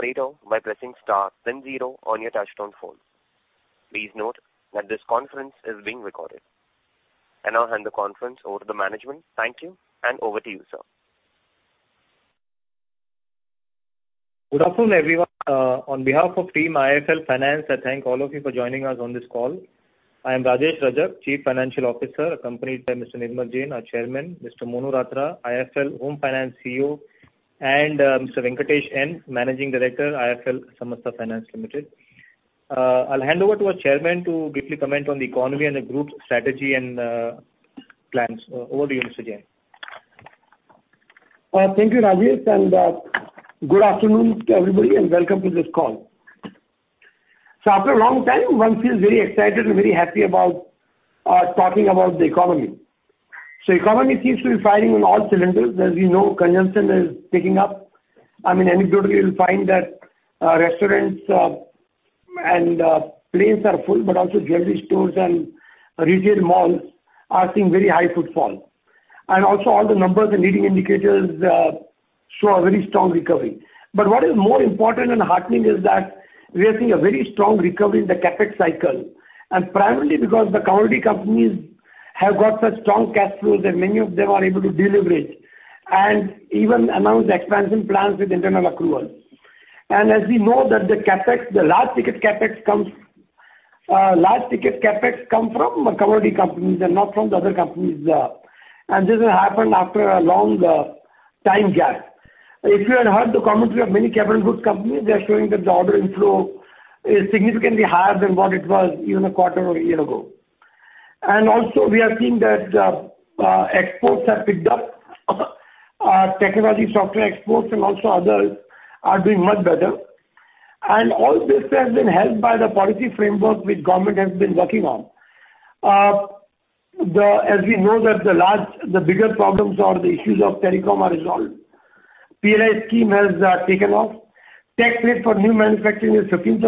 Break out by pressing star then zero on your touchtone phone. Please note that this conference is being recorded. I now hand the conference over to the management. Thank you, and over to you, sir. Good afternoon, everyone. On behalf of Team IIFL Finance, I thank all of you for joining us on this call. I am Rajesh Rajak, Chief Financial Officer, accompanied by Mr. Nirmal Jain, our Chairman, Mr. Monu Ratra, IIFL Home Finance CEO, and Mr. Venkatesh N, Managing Director, IIFL Samasta Finance Limited. I'll hand over to our Chairman to briefly comment on the economy and the group's strategy and plans. Over to you, Mr. Jain. Thank you, Rajesh, and good afternoon to everybody and welcome to this call. After a long time, one feels very excited and very happy about talking about the economy. Economy seems to be firing on all cylinders. As you know, consumption is picking up. I mean, anecdotally, you'll find that restaurants and planes are full, but also jewelry stores and retail malls are seeing very high footfall. All the numbers and leading indicators show a very strong recovery. What is more important and heartening is that we are seeing a very strong recovery in the CapEx cycle, and primarily because the commodity companies have got such strong cash flows that many of them are able to deleverage and even announce expansion plans with internal accrual. As we know that the CapEx, the large ticket CapEx comes from commodity companies and not from the other companies. This has happened after a long time gap. If you had heard the commentary of many capital goods companies, they are showing that the order inflow is significantly higher than what it was even a quarter or a year ago. We are seeing that exports have picked up. Technology software exports and also others are doing much better. All this has been helped by the policy framework which government has been working on. As we know that the large, the bigger problems or the issues of telecom are resolved. PLI scheme has taken off. Tax rate for new manufacturing is 15%.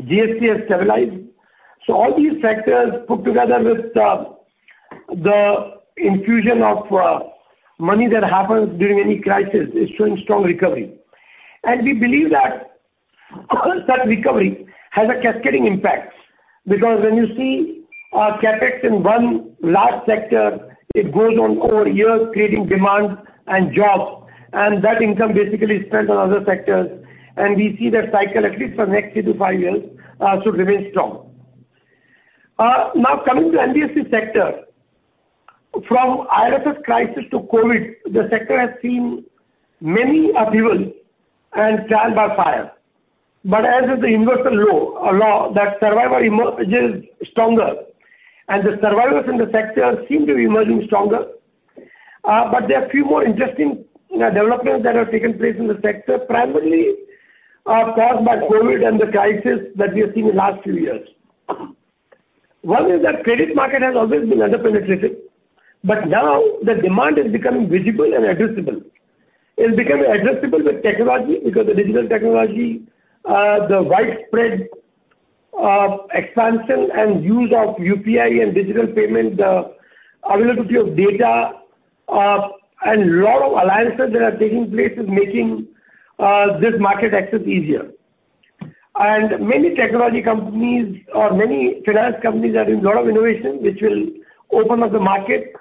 GST has stabilized. All these factors put together with the infusion of money that happens during any crisis is showing strong recovery. We believe that such recovery has a cascading impact because when you see CapEx in one large sector, it goes on over years creating demand and jobs, and that income basically is spent on other sectors. We see that cycle at least for next 3-5 years should remain strong. Now coming to NBFC sector. From IL&FS crisis to COVID, the sector has seen many upheavals and trial by fire. As with the universal law that survivor emerges stronger and the survivors in the sector seem to be emerging stronger. There are a few more interesting developments that have taken place in the sector, primarily caused by COVID and the crisis that we have seen in last few years. One is that credit market has always been under-penetrated, but now the demand is becoming visible and addressable. It's becoming addressable with technology because the digital technology, the widespread expansion and use of UPI and digital payment, availability of data, and lot of alliances that are taking place is making this market access easier. Many technology companies or many finance companies are doing lot of innovation which will open up the market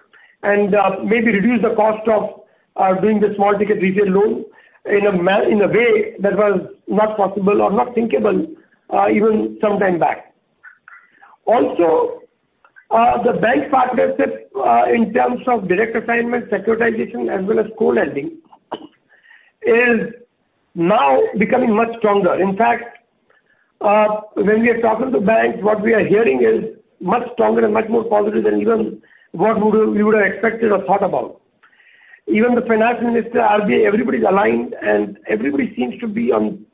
and, maybe reduce the cost of doing the small ticket retail loan in a way that was not possible or not thinkable even some time back. Also, the bank partnership, in terms of direct assignment, securitization as well as co-lending is now becoming much stronger. In fact, when we are talking to banks what we are hearing is much stronger and much more positive than even what we would have expected or thought about. Even the Finance Minister, RBI, everybody is aligned and everybody seems to be in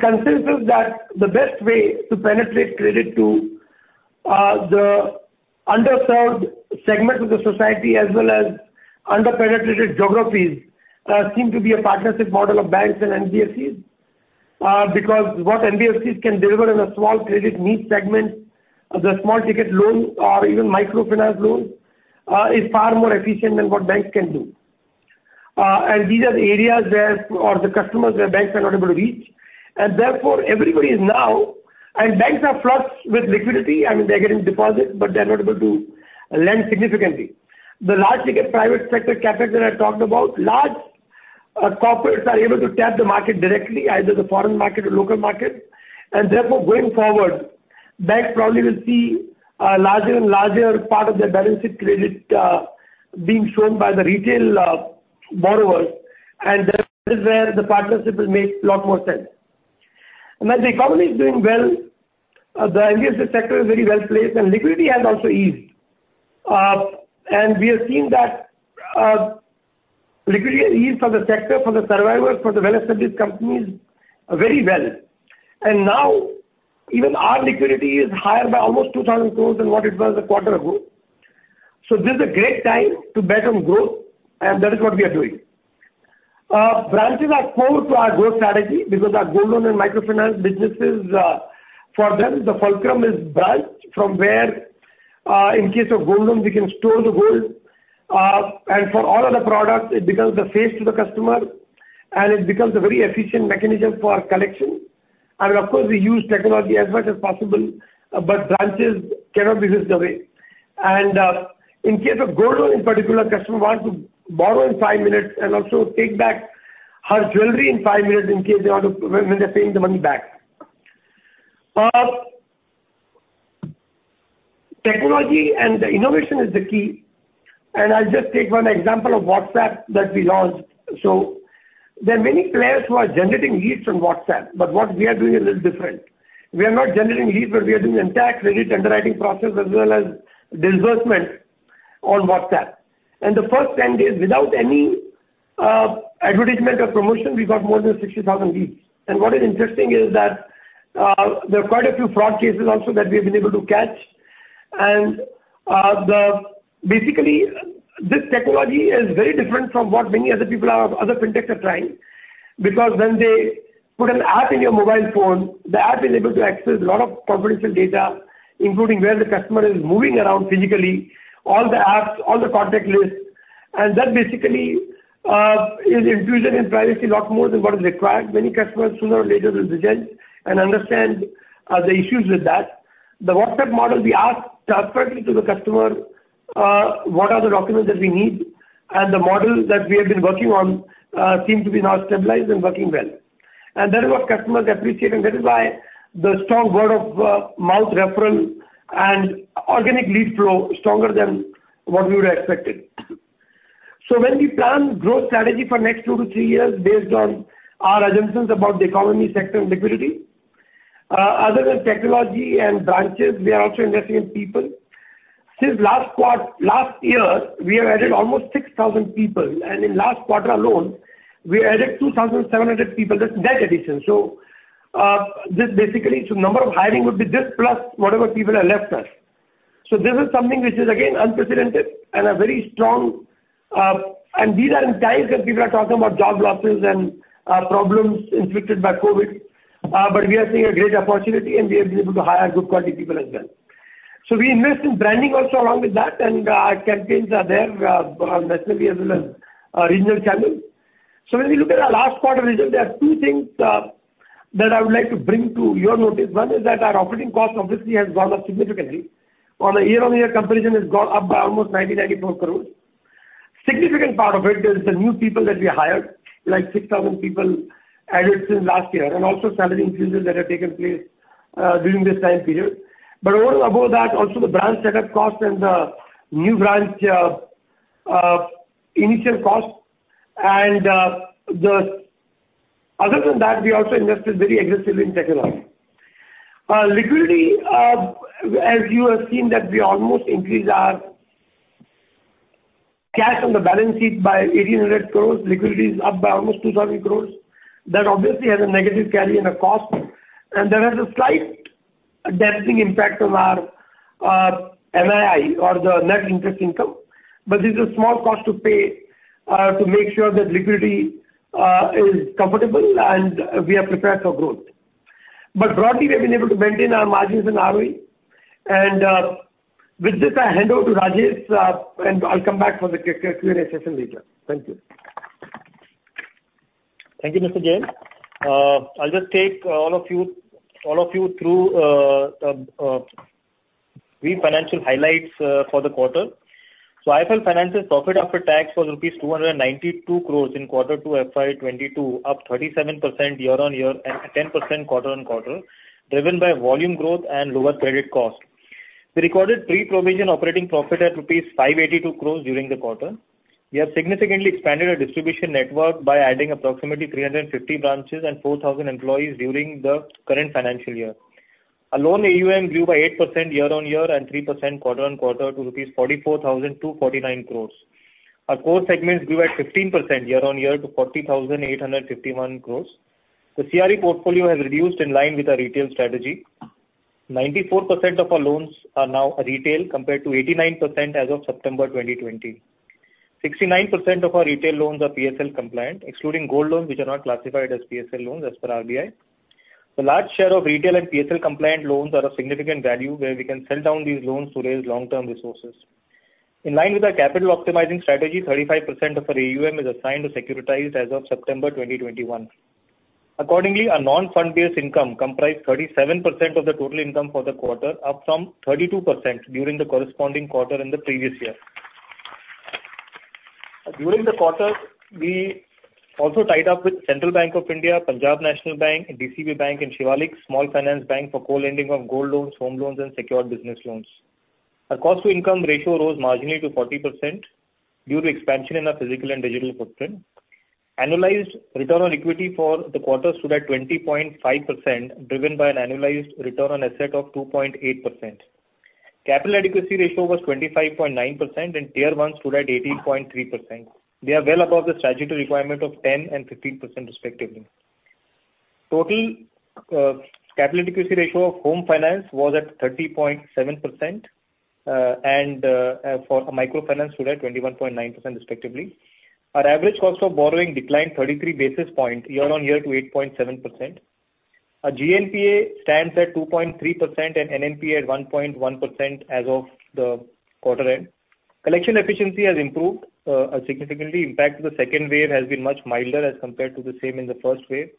consensus that the best way to penetrate credit to the underserved segments of the society as well as under-penetrated geographies seem to be a partnership model of banks and NBFCs. Because what NBFCs can deliver in a small credit niche segment, the small ticket loan or even microfinance loan, is far more efficient than what banks can do. These are the areas or the customers where banks are not able to reach and therefore everybody is now. Banks are flush with liquidity. I mean, they're getting deposits, but they're not able to lend significantly. The large ticket private sector CapEx that I talked about, large corporates are able to tap the market directly, either the foreign market or local market, and therefore going forward, banks probably will see a larger and larger part of their balancing credit being shown by the retail borrowers, and that is where the partnership will make a lot more sense. As the economy is doing well, the NBFC sector is very well placed and liquidity has also eased. We are seeing that liquidity easing for the sector, for the survivors, for the well-established companies very well. Now even our liquidity is higher by almost 2,000 crores than what it was a quarter ago. This is a great time to bet on growth, and that is what we are doing. Branches are core to our growth strategy because our gold loan and microfinance businesses, for them the fulcrum is branch from where in case of gold loan, we can store the gold. And for all other products, it becomes the face to the customer, and it becomes a very efficient mechanism for collection. Of course, we use technology as much as possible, but branches cannot be whisked away. In case of gold loan in particular, customer wants to borrow in five minutes and also take back her jewelry in five minutes in case they want to when they're paying the money back. Technology and innovation is the key. I'll just take one example of WhatsApp that we launched. There are many players who are generating leads from WhatsApp, but what we are doing is different. We are not generating leads, but we are doing the entire credit underwriting process as well as disbursement on WhatsApp. The first 10 days, without any advertisement or promotion, we got more than 60,000 leads. What is interesting is that there are quite a few fraud cases also that we have been able to catch. Basically, this technology is very different from what many other people or other fintech are trying, because when they put an app in your mobile phone, the app is able to access a lot of confidential data, including where the customer is moving around physically, all the apps, all the contact lists. That basically is intrusion in privacy a lot more than what is required. Many customers sooner or later will reject and understand the issues with that. The WhatsApp model, we ask directly to the customer what are the documents that we need. The models that we have been working on seem to be now stabilized and working well. That is what customers appreciate, and that is why the strong word of mouth referral and organic lead flow stronger than what we would have expected. When we plan growth strategy for next 2 to 3 years based on our assumptions about the economy sector and liquidity, other than technology and branches, we are also investing in people. Since last year, we have added almost 6,000 people, and in last quarter alone, we added 2,700 people. That's net addition. This basically, number of hiring would be this plus whatever people have left us. This is something which is again unprecedented and a very strong. These are in times when people are talking about job losses and problems inflicted by COVID, but we are seeing a great opportunity and we have been able to hire good quality people as well. We invest in branding also along with that, and campaigns are there on national media as well as regional channels. When we look at our last quarter results, there are two things that I would like to bring to your notice. One is that our operating cost obviously has gone up significantly. On a year-on-year comparison, it's gone up by almost 94 crore. Significant part of it is the new people that we hired, like 6,000 people added since last year, and also salary increases that have taken place during this time period. Over and above that, also the branch setup costs and the new branch initial costs. Other than that, we also invested very aggressively in technology. Liquidity, as you have seen that we almost increased our cash on the balance sheet by 1,800 crores. Liquidity is up by almost 2,000 crores. That obviously has a negative carry and a cost. There is a slight diluting impact on our NII or the net interest income. This is a small cost to pay to make sure that liquidity is comfortable and we are prepared for growth. Broadly, we've been able to maintain our margins and ROE. With this, I hand over to Rajesh and I'll come back for the Q&A session later. Thank you. Thank you, Mr. Jain. I'll just take all of you through brief financial highlights for the quarter. IIFL Finance's profit after tax was rupees 292 crore in Q2 FY 2022, up 37% year-on-year and 10% quarter-on-quarter, driven by volume growth and lower credit costs. We recorded pre-provision operating profit at rupees 582 crore during the quarter. We have significantly expanded our distribution network by adding approximately 350 branches and 4,000 employees during the current financial year. Our loan AUM grew by 8% year-on-year and 3% quarter-on-quarter to rupees 44,249 crore. Our core segments grew at 15% year-on-year to 40,851 crore. The CRE portfolio has reduced in line with our retail strategy. 94% of our loans are now retail compared to 89% as of September 2020. 69% of our retail loans are PSL compliant, excluding gold loans which are not classified as PSL loans as per RBI. The large share of retail and PSL compliant loans are of significant value where we can sell down these loans to raise long-term resources. In line with our capital optimizing strategy, 35% of our AUM is assigned to securitize as of September 2021. Accordingly, our non-fund-based income comprised 37% of the total income for the quarter, up from 32% during the corresponding quarter in the previous year. During the quarter, we also tied up with Central Bank of India, Punjab National Bank, DCB Bank and Shivalik Small Finance Bank for co-lending of gold loans, home loans and secured business loans. Our cost-to-income ratio rose marginally to 40% due to expansion in our physical and digital footprint. Annualized return on equity for the quarter stood at 20.5%, driven by an annualized return on asset of 2.8%. Capital adequacy ratio was 25.9% and Tier I stood at 18.3%. We are well above the statutory requirement of 10% and 15% respectively. Total capital adequacy ratio of home finance was at 30.7%, and for micro finance stood at 21.9% respectively. Our average cost of borrowing declined 33 basis points year-on-year to 8.7%. Our GNPA stands at 2.3% and NNPA at 1.1% as of the quarter end. Collection efficiency has improved significantly. In fact, the second wave has been much milder as compared to the same in the first wave.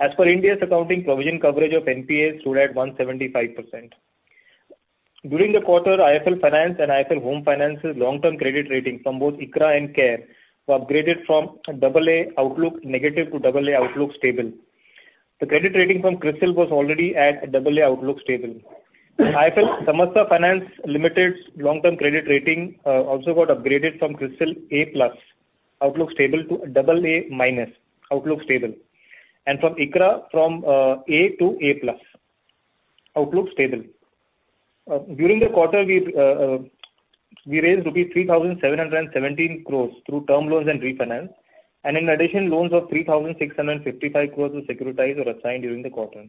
As per Ind AS accounting provision, coverage of NPAs stood at 175%. During the quarter, IIFL Finance and IIFL Home Finance's long-term credit rating from both ICRA and CARE were upgraded from AA (Negative) to AA (Stable). The credit rating from CRISIL was already at AA (Stable). IIFL Samasta Finance Limited's long-term credit rating also got upgraded from CRISIL A+ (Stable) to AA- (Stable), and from ICRA from A to A+ (Stable). During the quarter we raised rupees 3,717 crore through term loans and refinance. In addition, loans of 3,655 crore were securitized or assigned during the quarter.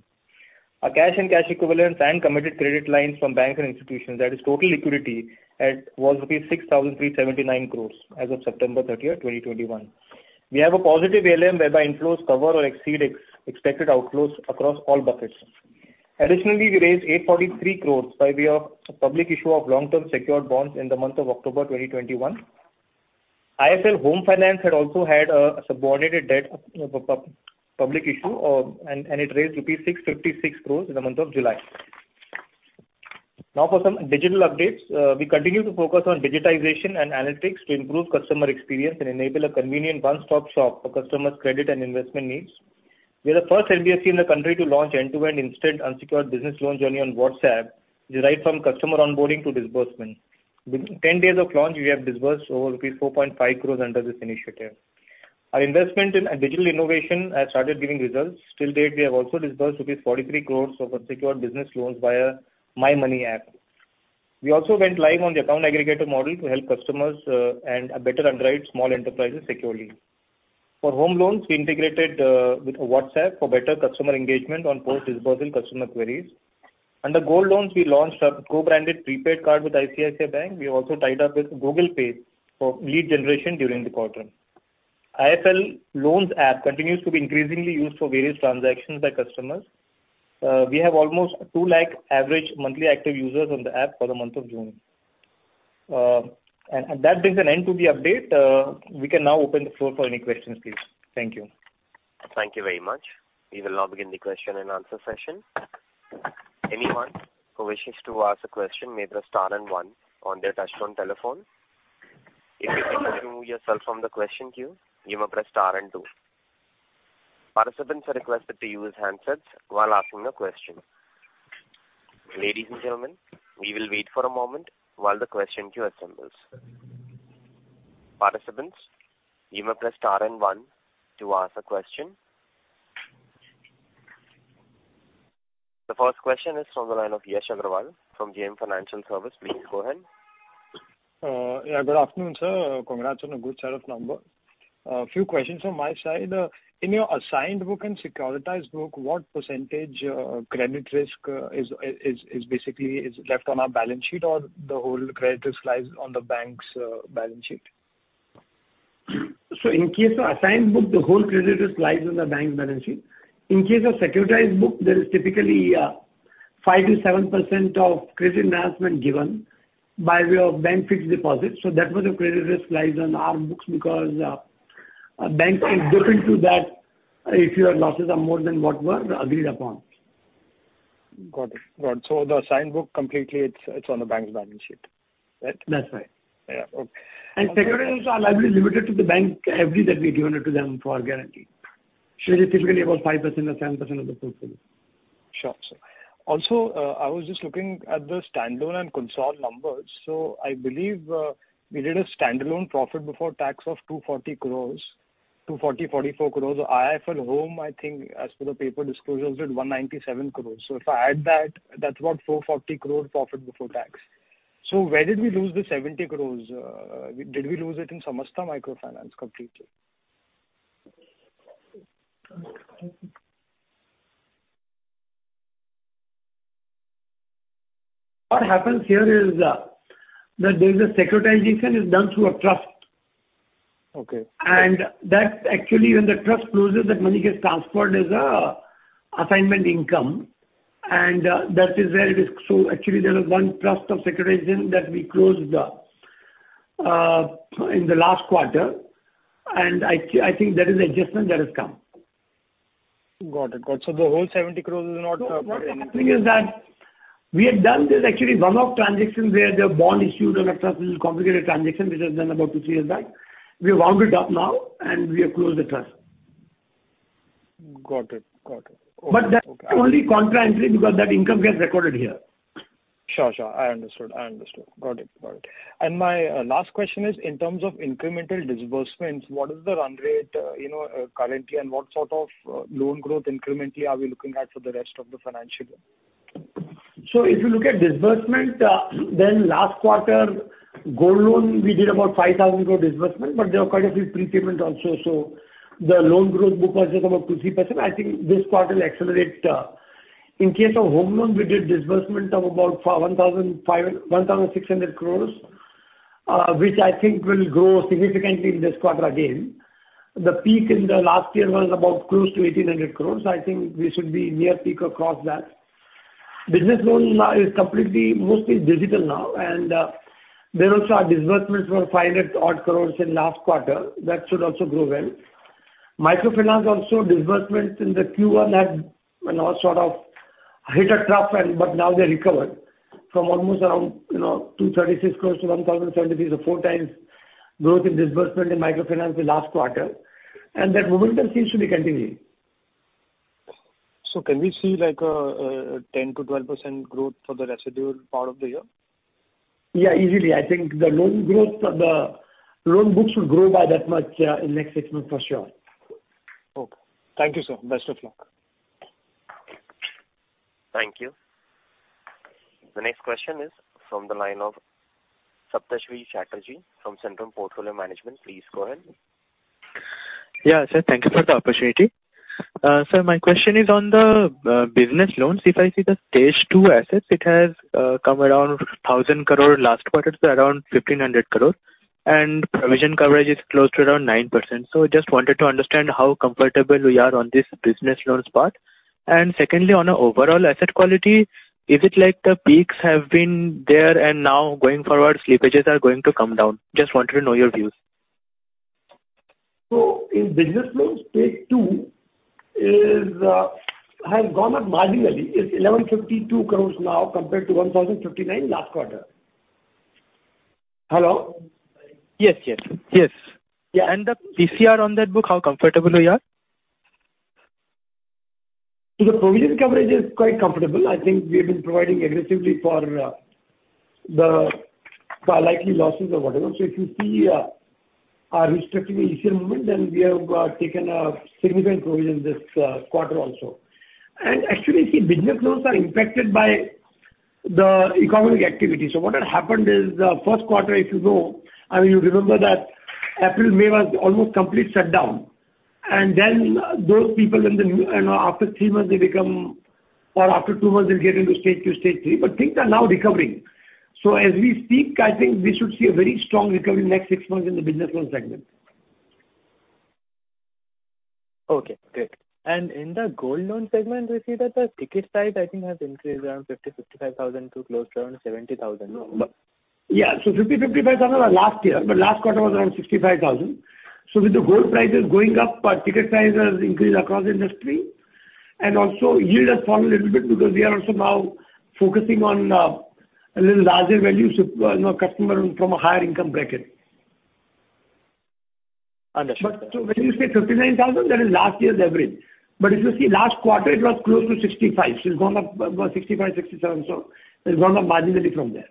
Our cash and cash equivalents and committed credit lines from bank and institutions, that is total liquidity at, was rupees 6,379 crores as of September 30, 2021. We have a positive ALM whereby inflows cover or exceed expected outflows across all buckets. Additionally, we raised 843 crores by way of public issue of long-term secured bonds in the month of October 2021. IIFL Home Finance had a subordinated debt of public issue, and it raised rupees 656 crores in the month of July. Now for some digital updates. We continue to focus on digitization and analytics to improve customer experience and enable a convenient one-stop shop for customers' credit and investment needs. We are the first NBFC in the country to launch end-to-end instant unsecured business loans only on WhatsApp, right from customer onboarding to disbursement. Within 10 days of launch, we have disbursed over rupees 4.5 crores under this initiative. Our investment in digital innovation has started giving results. Till date, we have also disbursed rupees 43 crores of unsecured business loans via MyMoney app. We also went live on the account aggregator model to help customers and better underwrite small enterprises securely. For home loans, we integrated with WhatsApp for better customer engagement on post disbursement customer queries. Under gold loans, we launched our co-branded prepaid card with ICICI Bank. We also tied up with Google Pay for lead generation during the quarter. IIFL Loans app continues to be increasingly used for various transactions by customers. We have almost 2 lakh average monthly active users on the app for the month of June. And that brings an end to the update. We can now open the floor for any questions, please. Thank you. Thank you very much. We will now begin the question and answer session. Anyone who wishes to ask a question may press star and one on their touchtone telephone. If you wish to remove yourself from the question queue, you may press star and two. Participants are requested to use handsets while asking a question. Ladies and gentlemen, we will wait for a moment while the question queue assembles. Participants, you may press star and one to ask a question. The first question is from the line of Yash Agarwal from JM Financial Services. Please go ahead. Good afternoon, sir. Congrats on a good set of numbers. A few questions from my side. In your assigned book and securitized book, what percentage credit risk is basically left on our balance sheet, or the whole credit risk lies on the bank's balance sheet? In case of assigned book, the whole credit risk lies on the bank's balance sheet. In case of securitized book, there is typically 5%-7% of credit enhancement given by way of bank fixed deposit, so that way the credit risk lies on our books because a bank is open to that if your losses are more than what were agreed upon. Got it. The assigned book completely, it's on the bank's balance sheet, right? That's right. Yeah. Okay. Securitized, our liability is limited to the bank, every debt we've given it to them for guarantee. It is typically about 5% or 10% of the portfolio. Sure, sir. Also, I was just looking at the standalone and consolidated numbers. I believe we did a standalone profit before tax of 244 crore. IIFL Home, I think as per the published disclosures, did 197 crore. If I add that's about 440 crore profit before tax. Where did we lose the 70 crore? Did we lose it in Samasta Microfinance completely? What happens here is, that there's a securitization is done through a trust. Okay. That's actually when the trust closes, that money gets transferred as a assignment income, and that is where it is. Actually there was one trust of securitization that we closed in the last quarter, and I think that is adjustment that has come. Got it. The whole 70 crore is not part of net income. No. What happened is that we had done this actually one-off transaction where the bond issued on a trust, which is a complicated transaction which was done about 2-3 years back. We have wound it up now, and we have closed the trust. Got it. Got it. Okay. That's only contra entry because that income gets recorded here. Sure. I understood. Got it. My last question is in terms of incremental disbursements, what is the run rate, you know, currently and what sort of loan growth incrementally are we looking at for the rest of the financial year? If you look at disbursement, then last quarter, gold loan we did about 5,000 crore disbursement, but there were quite a few prepayments also. The loan growth book was just about 2%-3%. I think this quarter will accelerate. In case of home loan, we did disbursement of about 1,500-1,600 crore. Which I think will grow significantly in this quarter again. The peak in the last year was about close to 1,800 crores. I think we should be near peak across that. Business loan now is completely mostly digital now, and there also disbursements were 500-odd crores in last quarter. That should also grow well. Microfinance also disbursements in the Q1 had you know sort of hit a trough and but now they recovered from almost around you know 236 crores to 1,070, so four times growth in disbursement in microfinance the last quarter, and that momentum seems to be continuing. Can we see like a 10%-12% growth for the residual part of the year? Yeah, easily. I think the loan growth or the loan books will grow by that much, yeah, in next six months for sure. Okay. Thank you, sir. Best of luck. Thank you. The next question is from the line of Saptarshee Chatterjee from Centrum Portfolio Management. Please go ahead. Yeah, sir. Thank you for the opportunity. Sir, my question is on the business loans. If I see the stage two assets, it has come around 1,000 crore. Last quarter it was around 1,500 crore, and provision coverage is close to around 9%. Just wanted to understand how comfortable we are on this business loans part. Secondly, on overall asset quality, is it like the peaks have been there and now going forward, slippages are going to come down? Just wanted to know your views. In business loans, stage two has gone up marginally. It's 1,152 crore now compared to 1,059 crore last quarter. Hello? Yes. Yeah, and the PCR on that book, how comfortable we are? The provision coverage is quite comfortable. I think we have been providing aggressively for the likely losses or whatever. If you see our restructuring ECL movement, then we have taken a significant provision this quarter also. Actually, you see business loans are impacted by the economic activity. What had happened is, the first quarter, if you know, I mean, you remember that April, May was almost complete shutdown. Then those people, after two months, they get into stage two, stage three, but things are now recovering. As we speak, I think we should see a very strong recovery next six months in the business loan segment. Okay, great. In the gold loan segment, we see that the ticket size I think has increased around 50 thousand-55 thousand to close to around 70 thousand. 50, 55 thousand are last year, but last quarter was around 65 thousand. With the gold prices going up, ticket size has increased across the industry. Also yield has fallen a little bit because we are also now focusing on a little larger values of, you know, customer from a higher income bracket. Understood. When you say 59,000, that is last year's average. If you see last quarter, it was close to 65. It's gone up about 65, 67, so it's gone up marginally from there.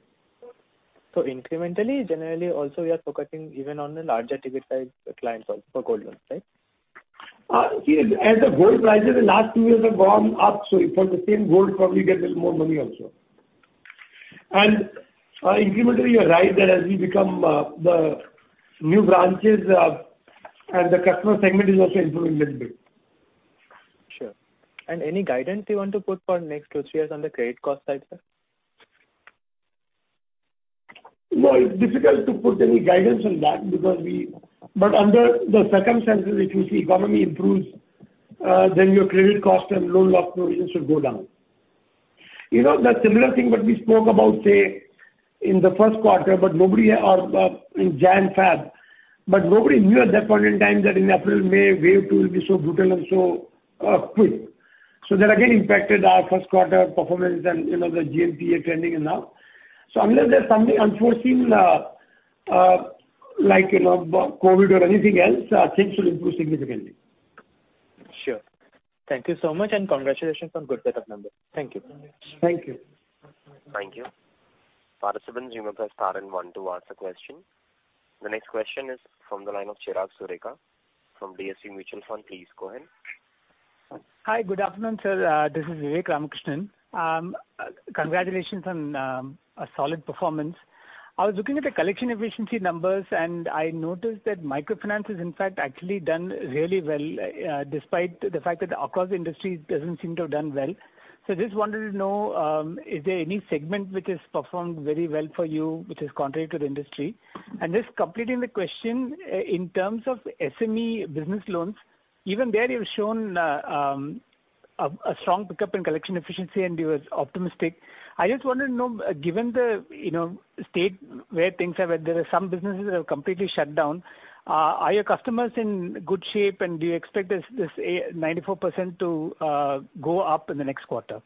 Incrementally, generally also we are focusing even on a larger ticket size client for gold loans, right? See, as the gold prices in the last two years have gone up, so for the same gold probably get little more money also. Incrementally you're right that as we become the new branches, and the customer segment is also improving little bit. Sure. Any guidance you want to put for next 2-3 years on the credit cost side, sir? No, it's difficult to put any guidance on that because we under the circumstances, if you see the economy improves, then your credit cost and loan loss provisions should go down. You know, the similar thing what we spoke about, say, in the first quarter, but nobody in Jan, Feb, but nobody knew at that point in time that in April, May, wave two will be so brutal and so quick. So that again impacted our first quarter performance and, you know, the GNPA trending and that. Unless there's something unforeseen, like, you know, COVID or anything else, things should improve significantly. Sure. Thank you so much, and congratulations on good set of numbers. Thank you. Thank you. Thank you. Participant, you may press star and one to ask a question. The next question is from the line of Chirag Sureka from DSP Mutual Fund. Please go ahead. Hi, good afternoon, sir. This is Vivek Ramakrishnan. Congratulations on a solid performance. I was looking at the collection efficiency numbers, and I noticed that microfinance has in fact actually done really well, despite the fact that across the industry it doesn't seem to have done well. I just wanted to know, is there any segment which has performed very well for you which is contrary to the industry? Just completing the question, in terms of SME business loans, even there you've shown a strong pickup in collection efficiency and you were optimistic. I just wanted to know, given the, you know, state where things have, there are some businesses that have completely shut down, are your customers in good shape and do you expect this 94% to go up in the next quarter?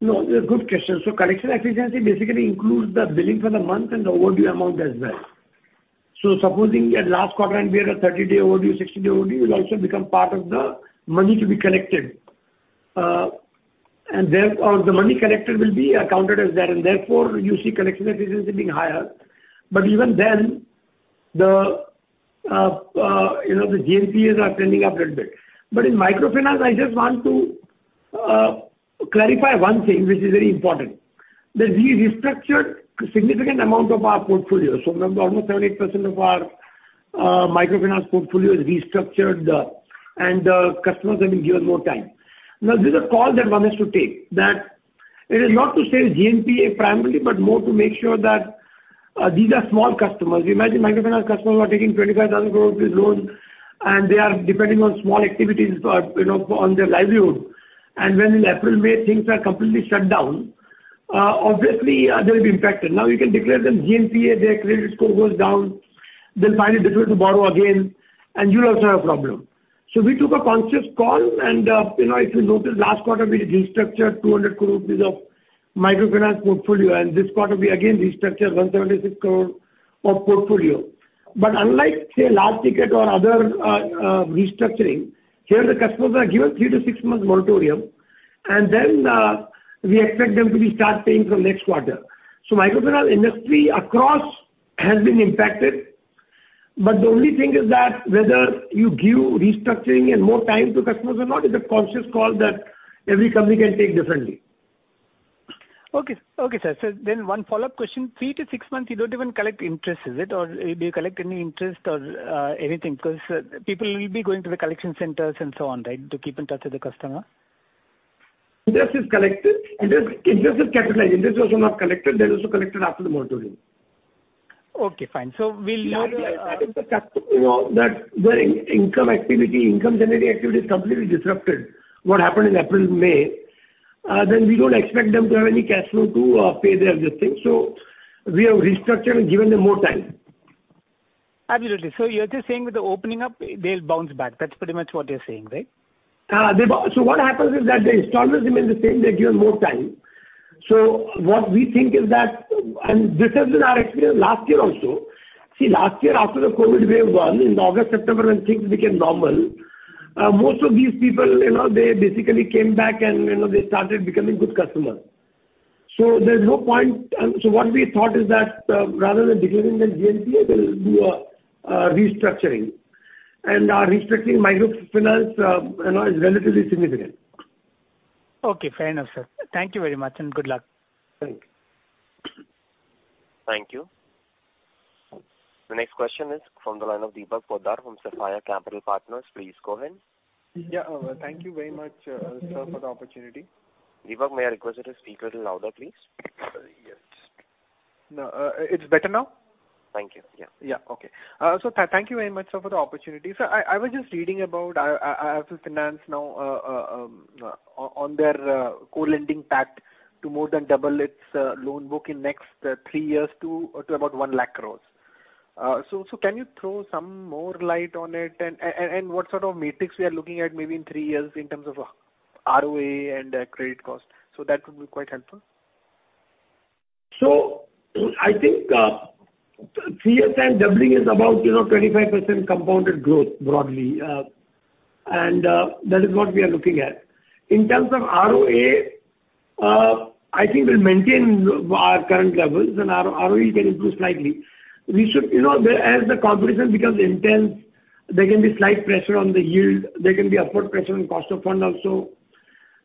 No, they're good questions. Collection efficiency basically includes the billing for the month and the overdue amount as well. Supposing at last quarter end, we had a 30-day overdue, 60-day overdue will also become part of the money to be collected. The money collected will be accounted as that, and therefore you see collection efficiency being higher. Even then, you know, the GNPA are trending up a little bit. In microfinance, I just want to clarify one thing which is very important. We restructured significant amount of our portfolio. Almost 7%-8% of our microfinance portfolio is restructured, and the customers have been given more time. Now, this is a call that one has to take that it is not to say GNPA primarily, but more to make sure that, these are small customers. Imagine microfinance customers are taking 25,000 INR loans and they are depending on small activities for, you know, for on their livelihood. When in April, May things are completely shut down, obviously, they will be impacted. Now, you can declare them GNPA, their credit score goes down, they'll find it difficult to borrow again and you'll also have problem. We took a conscious call and, you know, if you notice last quarter we restructured 200 crore rupees of microfinance portfolio and this quarter we again restructured 176 crore of portfolio. Unlike say large ticket or other restructuring, here the customers are given 3-6 months moratorium and then we expect them to restart paying from next quarter. Microfinance industry across has been impacted, but the only thing is that whether you give restructuring and more time to customers or not is a conscious call that every company can take differently. Okay, sir. One follow-up question. Three to six months you don't even collect interest, is it? Or do you collect any interest or anything? 'Cause people will be going to the collection centers and so on, right? To keep in touch with the customer. Interest is collected. Interest is capitalized. Interest was not collected. That is collected after the moratorium. Okay, fine. You know, if the customer's income generating activity is completely disrupted, what happened in April, May, then we don't expect them to have any cash flow to pay their existing. We have restructured and given them more time. Absolutely. You're just saying with the opening up they'll bounce back. That's pretty much what you're saying, right? What happens is that the installments remain the same. They're given more time. What we think is that, and this has been our experience last year also. See, last year after the COVID wave one in August, September when things became normal, most of these people, you know, they basically came back and, you know, they started becoming good customers. There's no point. What we thought is that, rather than declaring them GNPA, we'll do a restructuring. Our restructuring microfinance is relatively significant. Okay, fair enough, sir. Thank you very much and good luck. Thank you. Thank you. The next question is from the line of Deepak Poddar from Sapphire Capital. Please go ahead. Yeah. Thank you very much, sir, for the opportunity. Deepak, may I request you to speak a little louder, please? Yes. No. It's better now? Thank you. Yeah. Yeah. Okay. Thank you very much, sir, for the opportunity. I was just reading about Aavas Financiers now, on their co-lending pact to more than double its loan book in next 3 years to about 1 lakh crore. Can you throw some more light on it and what sort of metrics we are looking at maybe in 3 years in terms of ROA and credit cost? That would be quite helpful. I think three years time doubling is about, you know, 25% compounded growth broadly. That is what we are looking at. In terms of ROA, I think we'll maintain our current levels and our ROE can improve slightly. You know, as the competition becomes intense, there can be slight pressure on the yield. There can be upward pressure on cost of fund also.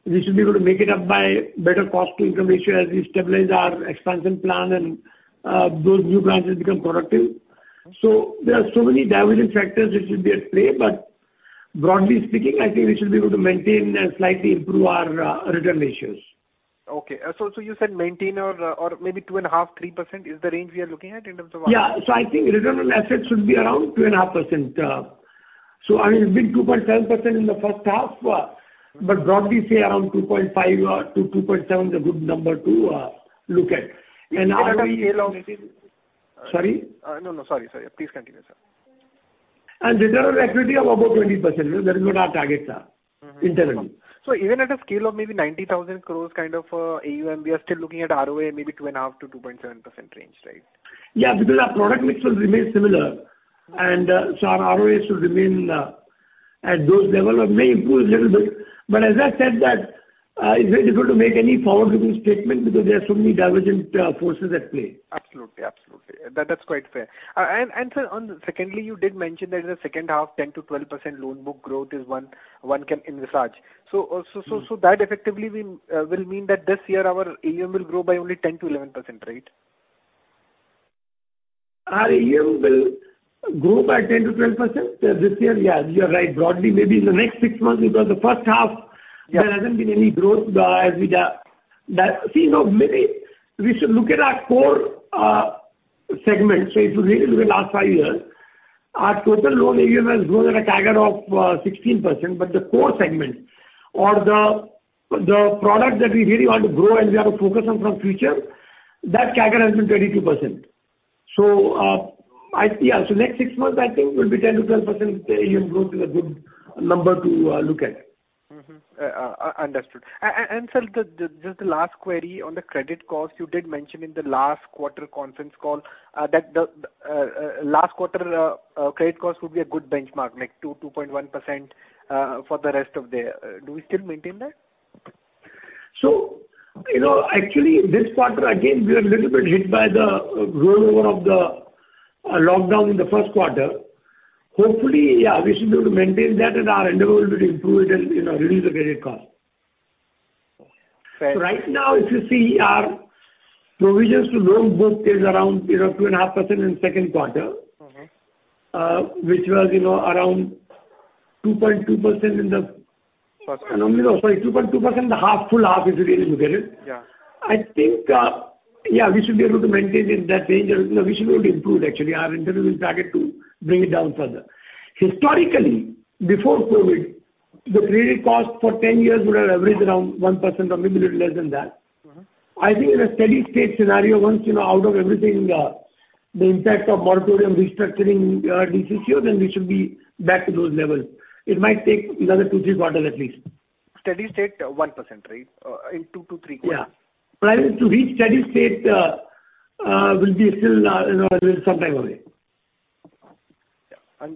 We should be able to make it up by better cost to income ratio as we stabilize our expansion plan and those new branches become productive. There are so many divergent factors which will be at play, but broadly speaking, I think we should be able to maintain and slightly improve our return ratios. Okay. You said maintain or maybe 2.5%-3% is the range we are looking at in terms of ROA? I think return on assets should be around 2.5%. I mean it's been 2.7% in the first half, but broadly say around 2.5 or 2 to 2.7 is a good number to look at. Now we- Even at a scale of maybe. Sorry? No. Sorry, sir. Please continue, sir. Return on equity of above 20%. That is what our targets are internally. Even at a scale of maybe 90,000 crore kind of AUM, we are still looking at ROA maybe 2.5%-2.7% range, right? Yeah. Because our product mix will remain similar, and so our ROA should remain at those level or may improve a little bit. As I said that it's very difficult to make any forward-looking statement because there are so many divergent forces at play. Absolutely. That's quite fair. Sir, secondly, you did mention that in the second half 10%-12% loan book growth is one can envisage. That effectively will mean that this year our AUM will grow by only 10%-11%, right? Our AUM will grow by 10%-12% this year. Yeah, you're right. Broadly maybe in the next six months because the first half Yeah. There hasn't been any growth as we have. You know, maybe we should look at our core segment. If you really look at last five years, our total loan AUM has grown at a CAGR of 16%. But the core segment or the products that we really want to grow and we are focused on for the future, that CAGR has been 22%. Next six months I think will be 10%-12% AUM growth is a good number to look at. Understood. Sir, just the last query on the credit cost. You did mention in the last quarter conference call that the last quarter credit cost would be a good benchmark like 2.1% for the rest of the year. Do we still maintain that? You know, actually this quarter again we are a little bit hit by the rollover of the lockdown in the first quarter. Hopefully, we should be able to maintain that and our endeavor will be to improve it and, you know, reduce the credit cost. Right now, if you see our provisions to loan book is around, you know, 2.5% in second quarter. Mm-hmm. which was, you know, around 2.2% in the First. No, sorry. 2.2% half full, if you really look at it. Yeah. I think we should be able to maintain in that range or, you know, we should be able to improve actually. Our internal target to bring it down further. Historically, before COVID, the credit cost for 10 years would have averaged around 1% or maybe little less than that. Mm-hmm. I think in a steady state scenario, once, you know, out of everything, the impact of moratorium restructuring, dies off, then we should be back to those levels. It might take another 2, 3 quarters at least. Steady state, 1%, right? In 2-3 quarters. Yeah. To reach steady state, it will still be, you know, some time away. Yeah.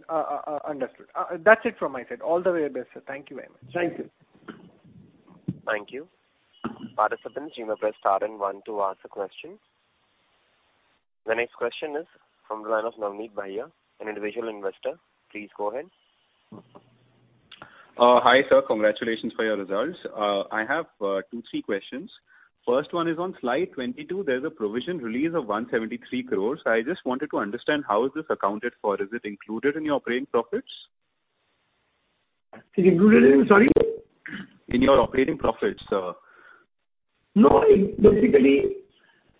Understood. That's it from my side. All the very best, sir. Thank you very much. Thank you. Thank you. Participant, you may press star and one to ask a question. The next question is from the line of Navneet Bhaiya, an individual investor. Please go ahead. Hi, sir. Congratulations for your results. I have two, three questions. First one is on slide 22, there's a provision release of 173 crore. I just wanted to understand how is this accounted for. Is it included in your operating profits? Included in, sorry? In your operating profits, sir. No. Basically,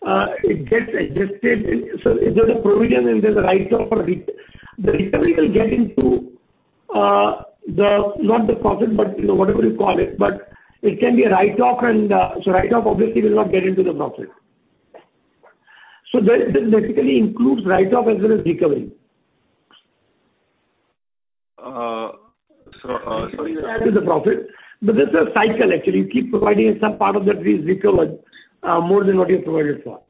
it gets adjusted. If there's a provision and there's a write-off or the recovery will get into the, not the profit, but you know, whatever you call it, but it can be a write-off and, so write-off obviously will not get into the profit. That basically includes write-off as well as recovery. Sorry. To the profit. This is a cycle actually. You keep providing and some part of that is recovered, more than what you provided for.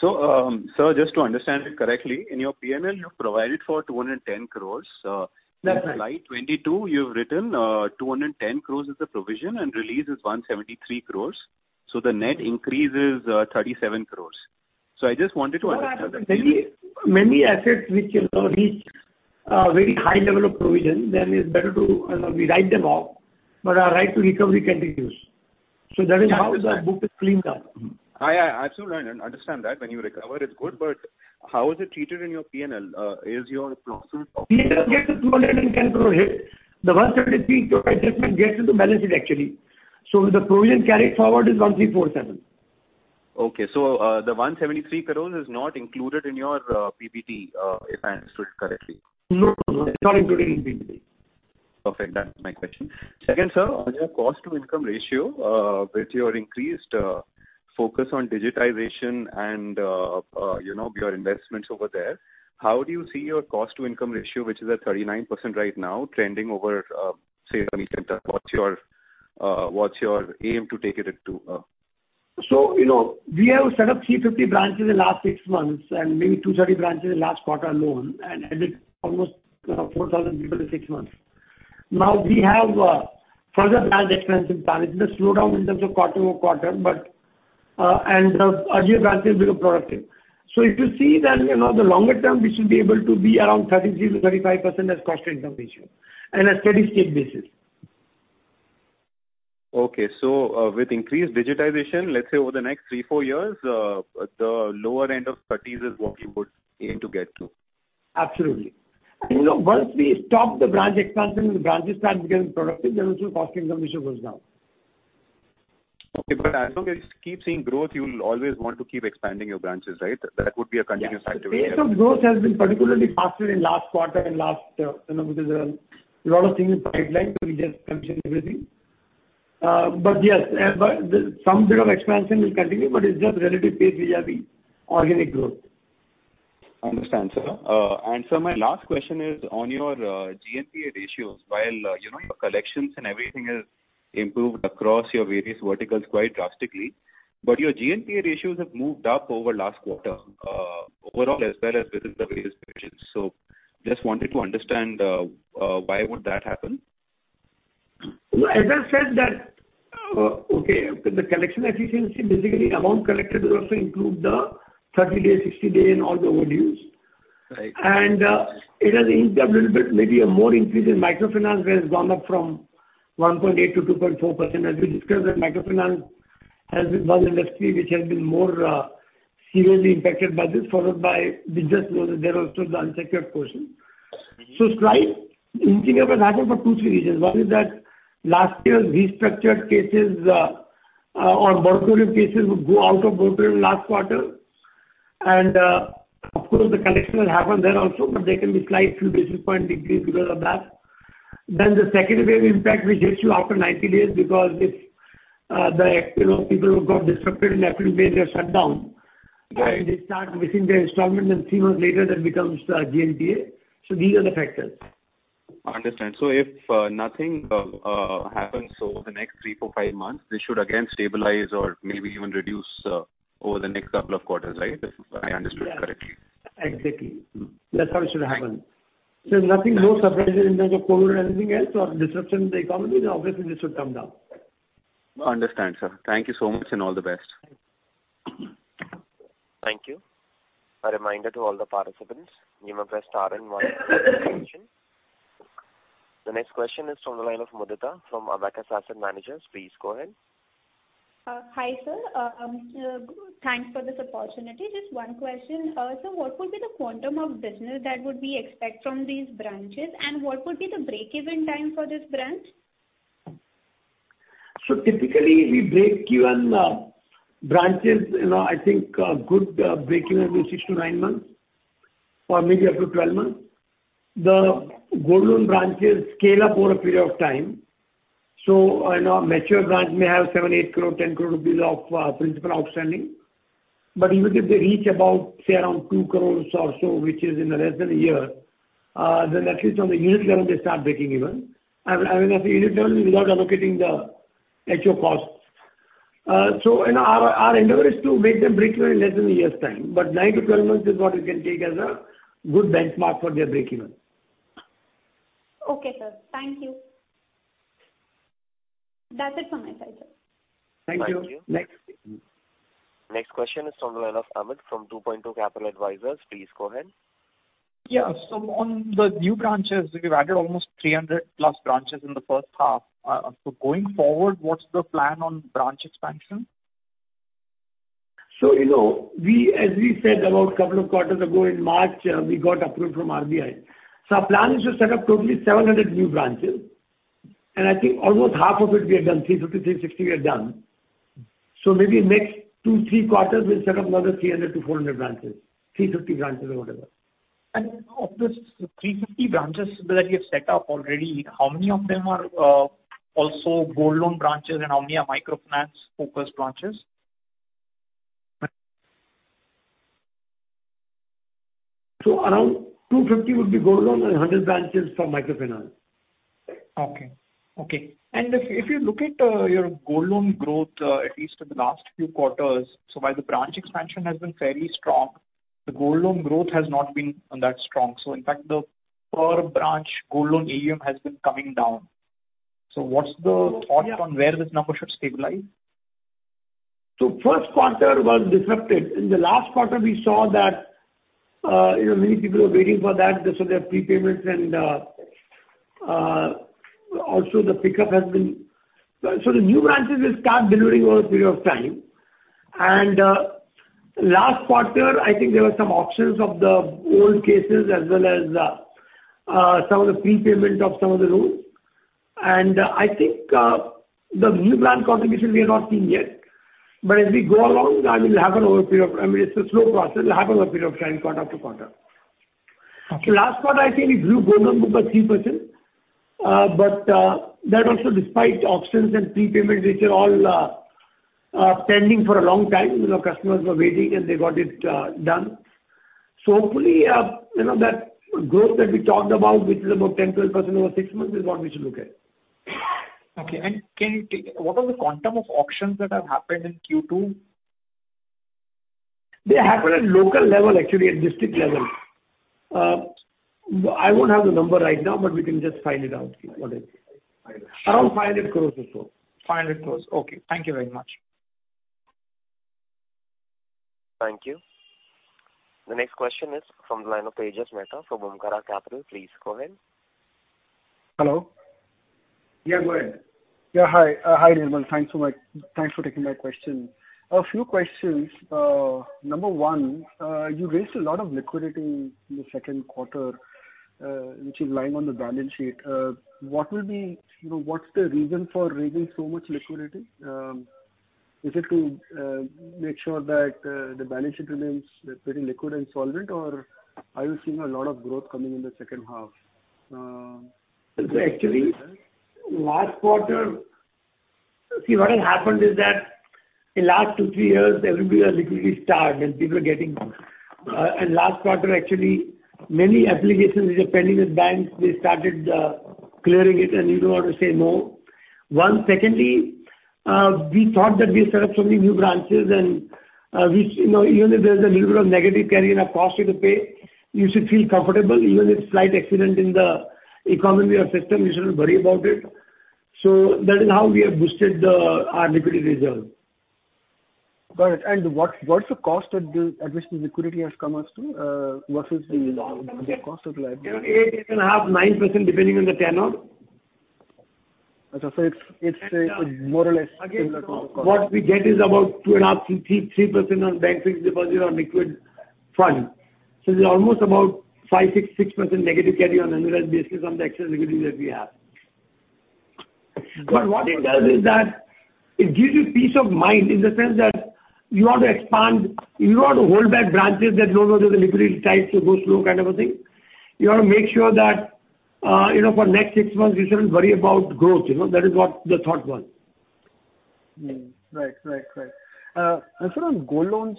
Sir, just to understand it correctly, in your P&L, you've provided for 210 crores. That's right. In slide 22, you've written, 210 crores is the provision and release is 173 crores. The net increase is 37 crores. I just wanted to understand that. Many, many assets which, you know, reach a very high level of provision, then it's better to, you know, we write them off, but our right to recovery continues. That is how the book is cleaned up. I absolutely understand that. When you recover it's good, but how is it treated in your PNL? Is your profit- There it gets a INR 210 crore hit. The 173 adjustment gets into balance sheet actually. The provision carried forward is 1,347 crore. Okay. The 173 crore is not included in your PBT, if I understood correctly. No, it's not included in PBT. Perfect. That's my question. Second, sir, on your cost to income ratio, with your increased focus on digitization and, you know, your investments over there, how do you see your cost to income ratio, which is at 39% right now trending over, say, 20%? What's your aim to take it into? You know, we have set up 350 branches in the last six months and maybe 230 branches in last quarter alone, and added almost, you know, 4,000 people in six months. Now we have further branch expansion plan. It's a slowdown in terms of quarter-over-quarter, but and the earlier branches become productive. If you see then, you know, the longer term we should be able to be around 33%-35% as cost income ratio in a steady state basis. With increased digitization, let's say over the next 3-4 years, the lower end of thirties is what you would aim to get to. Absolutely. You know, once we stop the branch expansion and the branches start becoming productive, then also cost-income ratio goes down. Okay. As long as you keep seeing growth, you'll always want to keep expanding your branches, right? That would be a continuous cycle. Yeah. The pace of growth has been particularly faster in last quarter, you know, because there are a lot of things in pipeline, so we just completed everything. Yes, but some bit of expansion will continue, but it's just relative pace vis-à-vis organic growth. understand, sir. Sir, my last question is on your GNPA ratios. While you know, your collections and everything has improved across your various verticals quite drastically, but your GNPA ratios have moved up over last quarter, overall as well as within the various provisions. Just wanted to understand why would that happen? As I said that, okay, the collection efficiency basically amount collected will also include the 30-day, 60-day and all the overdues. Right. It has inched up a little bit, maybe a more increase in microfinance where it's gone up from 1.8%-2.4%. As we discussed that microfinance has been one industry which has been more seriously impacted by this, followed by business loans. They're also the unsecured portion. Mm-hmm. Slight inching up has happened for two, three reasons. One is that last year's restructured cases or moratorium cases would go out of moratorium last quarter. Of course, the collection will happen there also, but there can be slight few basis points decrease because of that. The second wave impact which hits you after 90 days because if you know people who got disrupted in April, May, they're shut down. Right. They start missing their installment and three months later that becomes GNPA. These are the factors. Understood. If nothing happens over the next three, four, five months, this should again stabilize or maybe even reduce over the next couple of quarters, right? If I understood correctly. Exactly. That's how it should happen. There's nothing, no surprises in terms of COVID or anything else or disruption in the economy, then obviously this should come down. Understand, sir. Thank you so much and all the best. A reminder to all the participants, you may press star and one to ask questions. The next question is from the line of Mudita from Kotak Asset Management. Please go ahead. Hi, sir. Thanks for this opportunity. Just one question. What would be the quantum of business that would we expect from these branches, and what would be the break-even time for this branch? Typically we break even branches. You know, I think a good break-even will be 6-9 months or maybe up to 12 months. The gold loan branches scale up over a period of time. You know, a mature branch may have 7 crore, 8 crore, 10 crore rupees of principal outstanding. Even if they reach about, say, around 2 crore or so, which is in less than a year, then at least on the unit level they start breaking even. I mean, at the unit level without allocating the HO costs. You know, our endeavor is to make them break even in less than a year's time, but 9-12 months is what we can take as a good benchmark for their break-even. Okay, sir. Thank you. That's it from my side, sir. Thank you. Thank you. Next. Next question is from the line of Amit from 2Point2 Capital Advisors. Please go ahead. Yeah. On the new branches, you've added almost 300+ branches in the first half. Going forward, what's the plan on branch expansion? You know, we, as we said about couple of quarters ago in March, we got approval from RBI. Our plan is to set up totally 700 new branches, and I think almost half of it we have done, 350, 360 we have done. Maybe next 2, 3 quarters we'll set up another 300-400 branches, 350 branches or whatever. Of these 350 branches that you have set up already, how many of them are also gold loan branches and how many are microfinance-focused branches? Around 250 would be gold loan and 100 branches for microfinance. If you look at your gold loan growth, at least in the last few quarters, while the branch expansion has been fairly strong, the gold loan growth has not been that strong. In fact, the per branch gold loan AUM has been coming down. What's the thought on where this number should stabilize? First quarter was disrupted. In the last quarter we saw that, you know, many people were waiting for that, so there are prepayments and also the pickup has been. The new branches will start delivering over a period of time. Last quarter, I think there were some auctions of the old cases as well as some of the prepayment of some of the loans. I think the new branch contribution we have not seen yet, but as we go along, that will happen over a period of time. I mean, it's a slow process. It'll happen over a period of time, quarter to quarter. Okay. Last quarter I think we grew gold loan by 3%. That also despite auctions and prepayment, which are all pending for a long time. You know, customers were waiting, and they got it done. Hopefully, you know, that growth that we talked about, which is about 10%-12% over 6 months, is what we should look at. What are the quantum of auctions that have happened in Q2? They happen at local level, actually at district level. I won't have the number right now, but we can just find it out for you what it is. Around 500 crores or so. 500 crores. Okay. Thank you very much. Thank you. The next question is from the line of Tejas Mehta from Kotak Capital. Please go ahead. Hello? Yeah, go ahead. Yeah, hi. Hi, Nirmal. Thanks so much. Thanks for taking my question. A few questions. Number one, you raised a lot of liquidity in the second quarter, which is lying on the balance sheet. What will be, you know, what's the reason for raising so much liquidity? Is it to make sure that the balance sheet remains pretty liquid and solvent, or are you seeing a lot of growth coming in the second half? Actually last quarter, see, what has happened is that in last two, three years everybody was liquidity starved and people were getting. Last quarter actually many applications were pending with banks. They started clearing it and you don't want to say no. One. Secondly, we thought that we set up so many new branches and, we, you know, even if there's a little bit of negative carry and a cost you have to pay, you should feel comfortable even if slight accident in the economy or system, you shouldn't worry about it. That is how we have boosted our liquidity reserve. Got it. What's the cost at which the liquidity has come? What is the cost of liquidity? 8.5, 9% depending on the tenure. Okay. It's more or less similar to the cost. Again, what we get is about 2.5-3% on bank fixed deposit or liquid fund. It's almost about 5-6% negative carry on annual basis on the excess liquidity that we have. Got it. What it does is that it gives you peace of mind in the sense that you want to expand. You don't want to hold back branches that, "No, no, there's a liquidity tight, so go slow," kind of a thing. You want to make sure that, you know, for next 6 months you shouldn't worry about growth, you know. That is what the thought was. Right. Sir, on gold loans,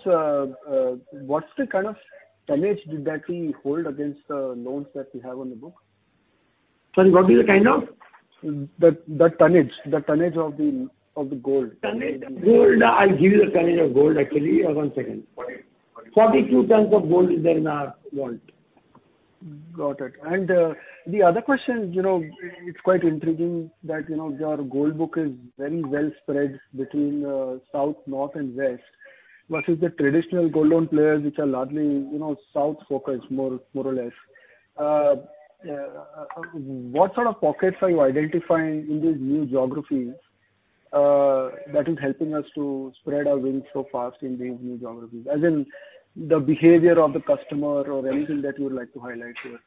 what's the kind of tonnage that we hold against the loans that we have on the books? Sorry, what is the kind of? The tonnage of the gold. Tonnage of gold, I'll give you the tonnage of gold actually. One second. 42 tons of gold is there in our vault. Got it. The other question, you know, it's quite intriguing that, you know, your gold loan book is very well spread between south, north and west versus the traditional gold loan players, which are largely, you know, south-focused, more or less. What sort of pockets are you identifying in these new geographies that is helping us to spread our wings so fast in these new geographies, as in the behavior of the customer or anything that you would like to highlight here?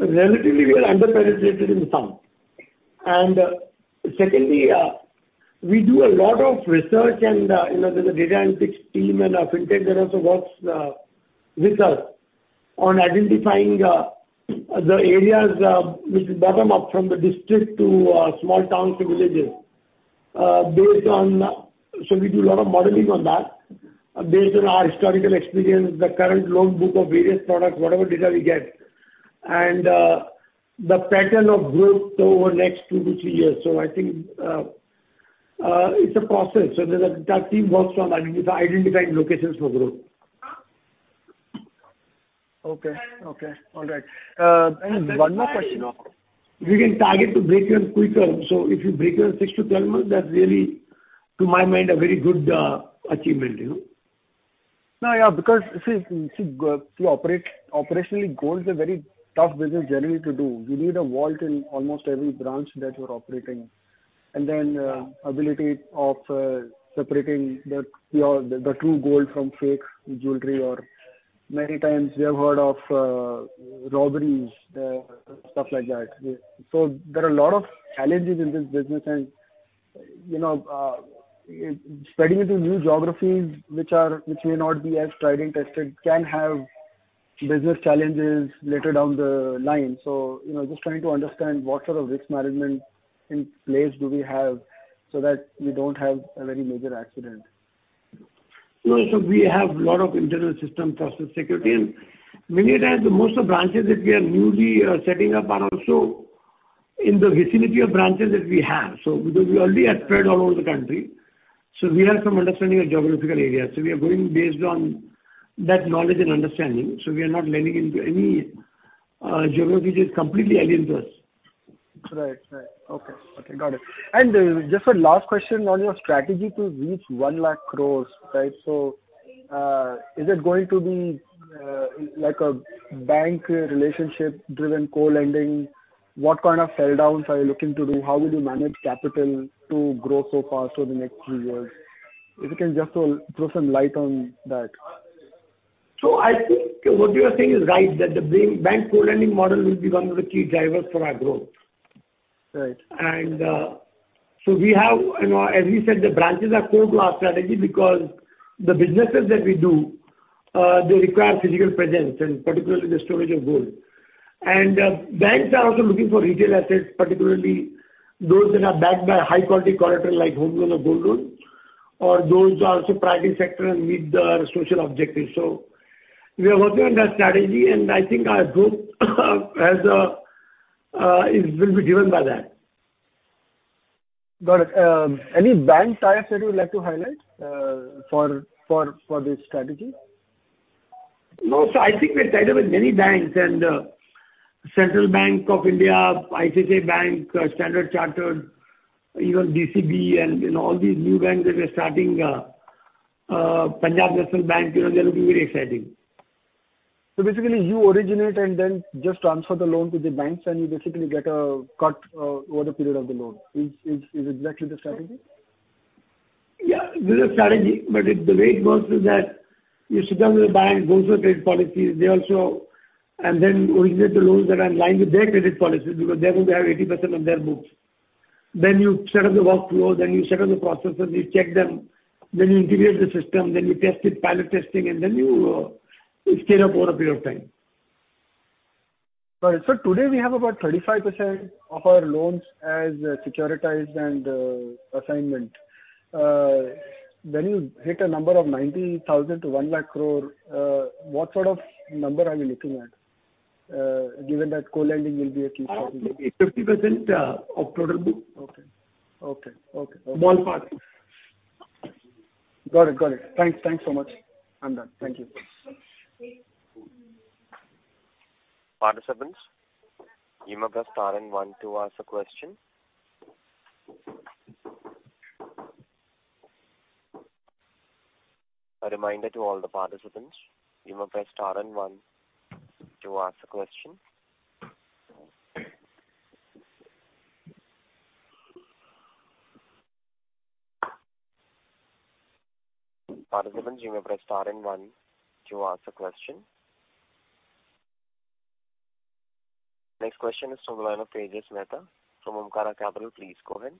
Relatively we are under-penetrated in some. Secondly, we do a lot of research and, you know, there's a data analytics team and a fintech that also works with us on identifying the areas which bottom-up from the district to small towns to villages, based on. We do a lot of modeling on that based on our historical experience, the current loan book of various products, whatever data we get and the pattern of growth over next two to three years. I think it's a process. The team works on identifying locations for growth. Okay. All right. One more question- That's why we can target to break even quicker. If you break even 6-12 months, that's really, to my mind, a very good achievement, you know? No. Yeah, because see operationally, gold is a very tough business generally to do. You need a vault in almost every branch that you're operating. Then ability of separating the true gold from fake jewelry, or many times we have heard of robberies, stuff like that. There are a lot of challenges in this business and, you know, spreading into new geographies which may not be as tried and tested can have business challenges later down the line. You know, just trying to understand what sort of risk management in place do we have so that we don't have a very major accident. No. We have a lot of internal systems for security. Many a times most of the branches that we are newly setting up are also in the vicinity of branches that we have. Because we already are spread all over the country, so we have some understanding of geographical areas. We are growing based on that knowledge and understanding. We are not lending into any geography which is completely alien to us. Right. Okay. Got it. Just a last question on your strategy to reach 1 lakh crores, right? Is it going to be, like a bank relationship driven co-lending? What kind of sell downs are you looking to do? How will you manage capital to grow so fast over the next three years? If you can just throw some light on that. I think what you are saying is right, that the bank co-lending model will be one of the key drivers for our growth. Right. We have, you know, as we said, the branches are core to our strategy because the businesses that we do, they require physical presence and particularly the storage of gold. Banks are also looking for retail assets, particularly those that are backed by high quality collateral like home loan or gold loans or those are also priority sector and meet the social objectives. We are working on that strategy and I think our growth will be driven by that. Got it. Any banks I have said you would like to highlight, for this strategy? No. I think we've tied up with many banks and Central Bank of India, ICICI Bank, Standard Chartered, even DCB and, you know, all these new banks that are starting, Punjab National Bank, you know, they're looking very exciting. Basically you originate and then just transfer the loan to the banks and you basically get a cut over the period of the loan. Is exactly the strategy? Yeah, this is the strategy, but the way it works is that you sit down with the bank, go through their credit policies, and then originate the loans that are in line with their credit policies because they're going to have 80% on their books. Then you set up the workflows, then you set up the processes, you check them, then you integrate the system, then you test it, pilot testing, and then you scale up over a period of time. Right. Today we have about 35% of our loans as securitized and assignment. When you hit a number of 90,000 crore-1,00,000 crore, what sort of number are we looking at, given that co-lending will be a key for you? Maybe 50% of total book. Okay. More or less. Got it. Thanks so much. I'm done. Thank you. Next question is from the line of Tejas Mehta from Omkara Capital. Please go ahead.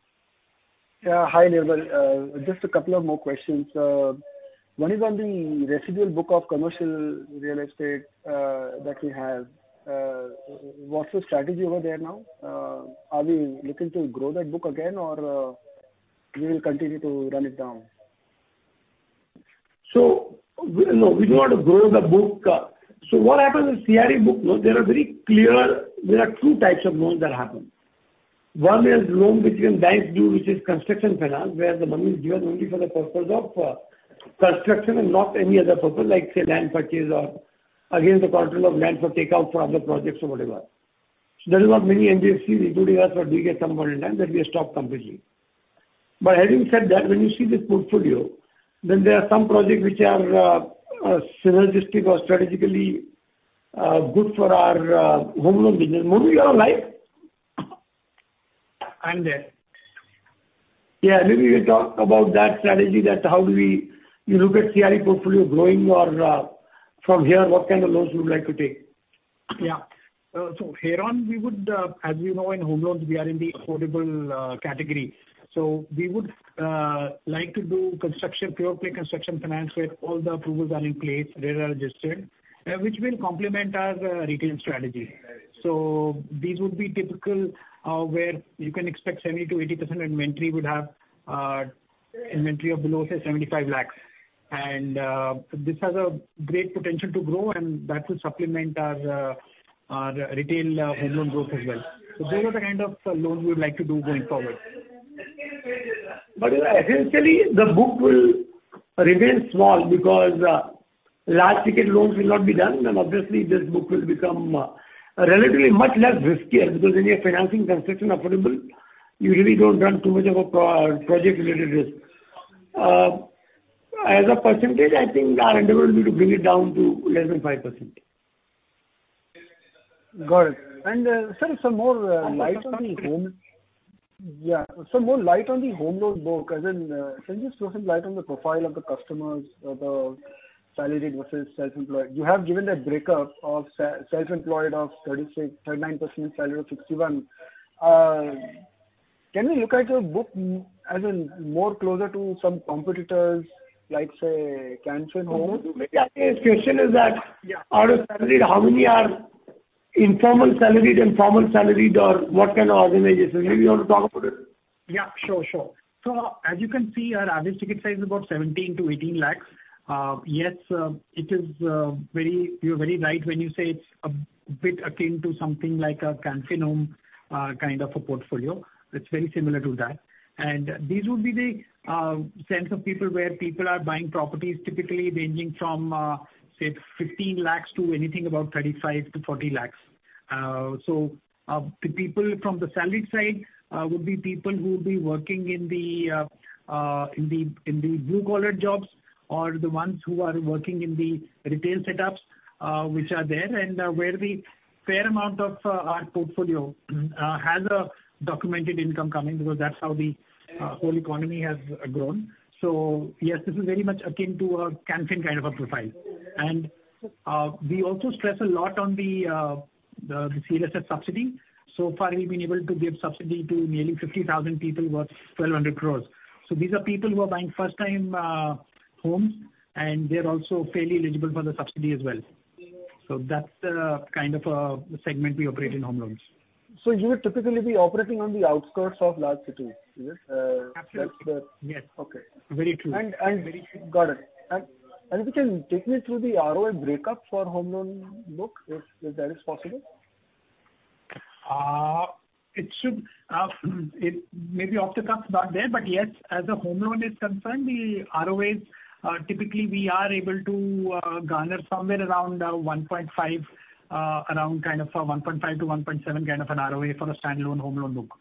Yeah. Hi, Nirmal. Just a couple of more questions. One is on the residual book of commercial real estate that we have. What's the strategy over there now? Are we looking to grow that book again or we will continue to run it down? No, we do want to grow the book. What happens with CRE book? No, there are very clear two types of loans that happen. One is loans that banks do, which is construction finance, where the money is given only for the purpose of construction and not any other purpose, like, say, land purchase or against the collateral of land for takeout for other projects or whatever. There are not many NBFCs including us that are doing it. At some point in time we have stopped completely. But having said that, when you see the portfolio, there are some projects which are synergistic or strategically good for our home loan business. Monu, you are live? I am there. Yeah. Maybe you talk about that strategy, that how do we look at CRE portfolio growing or, from here, what kind of loans you would like to take. Yeah, here on, we would, as you know, in home loans we are in the affordable category. We would like to do construction, pure-play construction finance, where all the approvals are in place, they are registered, which will complement our retail strategy. Right. These would be typical, where you can expect 70%-80% inventory would have, inventory of below, say, 75 lakh. This has a great potential to grow, and that will supplement our retail home loan growth as well. Those are the kind of loans we would like to do going forward. Essentially the book will remain small because large ticket loans will not be done, and obviously this book will become relatively much less riskier because when you are financing construction affordable, you really don't run too much of a project-related risk. As a percentage, I think our endeavor will be to bring it down to less than 5%. Got it. Sir, some more light on the home- Absolutely. Yeah. Some more light on the home loan book, as in, can you just throw some light on the profile of the customers or the salaried versus self-employed. You have given that breakup of self-employed of 36%-39%, salaried of 61%. Can we look at your book as in more closer to some competitors, like, say, Can Fin Homes? Maybe, I think his question is that. Yeah. Out of salaried, how many are informal salaried and formal salaried or what kind of organization? Maybe you want to talk about it. Yeah, sure. As you can see, our average ticket size is about 17-18 lakhs. Yes, it is. You're very right when you say it's a bit akin to something like a Can Fin Homes kind of a portfolio. It's very similar to that. These would be the segment of people where people are buying properties typically ranging from, say, 15 lakhs to anything about 35-40 lakhs. The people from the salaried side would be people who would be working in the blue collar jobs or the ones who are working in the retail setups, which are there and where the fair amount of our portfolio has a documented income coming because that's how the whole economy has grown. Yes, this is very much akin to a Canara kind of a profile. We also stress a lot on the CLSS subsidy. So far, we've been able to give subsidy to nearly 50,000 people worth 1,200 crores. These are people who are buying first time homes, and they are also fairly eligible for the subsidy as well. That's the kind of a segment we operate in home loans. You would typically be operating on the outskirts of large cities. Is it Absolutely. That's the- Yes. Okay. Very true. And, and- Very true. Got it. If you can take me through the ROA break-up for home loan book, if that is possible. It may be off the cuff about there, but yes, as a home loan is concerned, the ROA typically we are able to garner somewhere around 1.5%, around kind of a 1.5%-1.7% kind of an ROA for a standalone home loan book.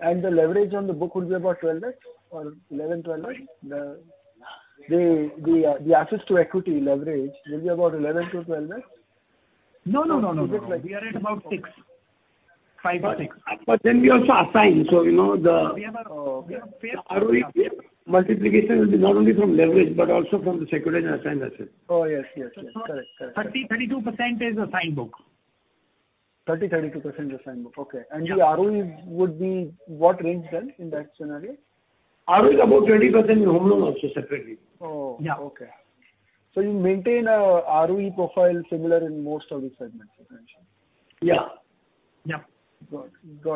The leverage on the book would be about 12 times or 11, 12 times? The assets to equity leverage will be about 11-12 times. No. Is it like- We are at about 6.5 or 6. We also assign. You know, We have fair- ROE multiplication will be not only from leverage but also from the securitization assigned assets. Oh, yes. Correct. 30%-32% is assigned book. 30%-32% is assigned book. Okay. Yeah. The ROE would be what range then in that scenario? ROE is about 20% in home loan also separately. Oh, okay. Yeah. You maintain a ROE profile similar in most of the segments, potentially. Yeah. Yeah. Got it.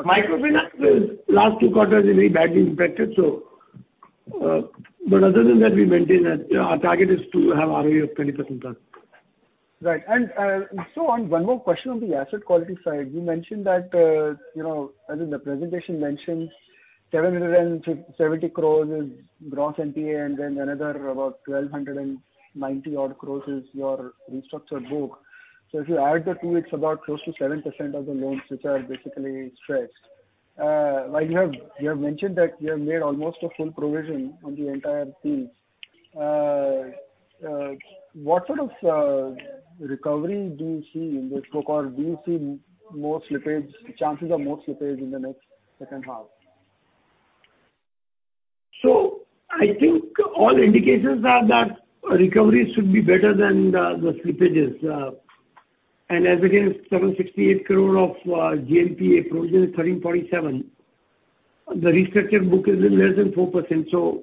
Microfinance in last two quarters is very badly impacted, but other than that, we maintain that our target is to have ROE of 20%+. On one more question on the asset quality side, you mentioned that, you know, as in the presentation mentions, 770 crore is gross NPA, and then another about 1,290 crore is your restructured book. If you add the two, it's about close to 7% of the loans which are basically stressed. While you have mentioned that you have made almost a full provision on the entire book. What sort of recovery do you see in this book, or do you see more slippage, chances of more slippage in the next second half? I think all indications are that recovery should be better than the slippages. And as against 768 crore of GNPA, provision is 1,347 crore. The restructured book is in less than 4%.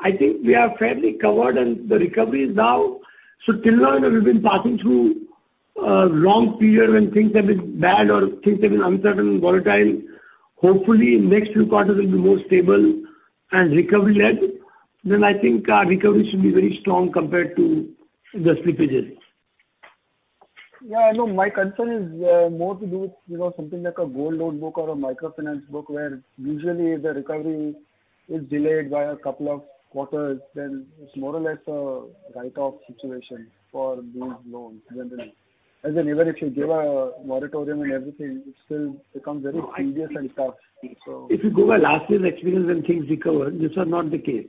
I think we are fairly covered and the recovery is now. Till now we've been passing through a long period when things have been bad or things have been uncertain and volatile. Hopefully, next few quarters will be more stable and recovery led. I think our recovery should be very strong compared to the slippages. Yeah, I know. My concern is more to do with, you know, something like a gold loan book or a microfinance book where usually the recovery is delayed by a couple of quarters, then it's more or less a write-off situation for these loans generally. As in even if you give a moratorium and everything, it still becomes very tedious and tough. If you go by last year's experience when things recovered, these are not the case.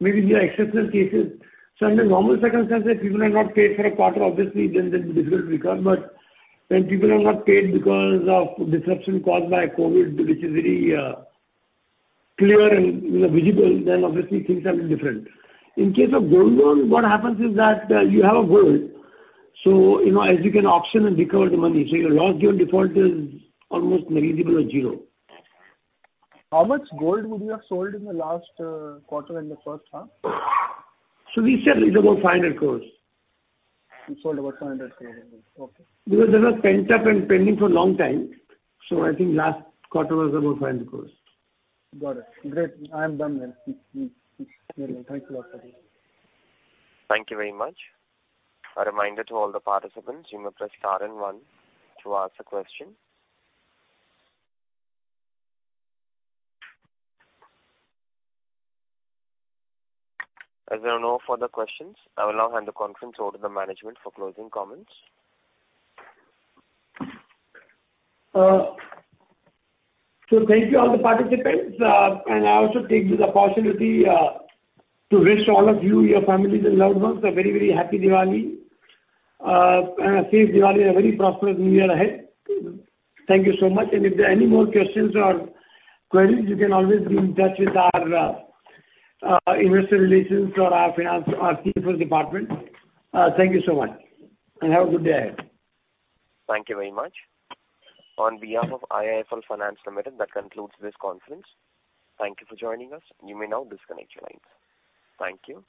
Maybe there are exceptional cases. Under normal circumstances, people have not paid for a quarter, obviously, then they'll be difficult to recover. When people have not paid because of disruption caused by COVID, which is very clear and, you know, visible, then obviously things are a little different. In case of gold loans, what happens is that you have a gold, so you know as you can auction and recover the money. Your loss given default is almost negligible or zero. How much gold would you have sold in the last quarter and the first half? We said it's about 500 crore. You sold about 500 crore. Okay. Because they were pent-up and pending for a long time. I think last quarter was about 500 crore. Got it. Great. I am done then. Thank you a lot for this. Thank you very much. A reminder to all the participants, you may press star and one to ask a question. As there are no further questions, I will now hand the conference over to the management for closing comments. Thank you all the participants. I also take this opportunity to wish all of you, your families and loved ones a very, very happy Diwali. A safe Diwali and a very prosperous new year ahead. Thank you so much. If there are any more questions or queries, you can always be in touch with our investor relations or our finance, our CFO's department. Thank you so much, and have a good day. Thank you very much. On behalf of IIFL Finance Limited, that concludes this conference. Thank you for joining us. You may now disconnect your lines. Thank you.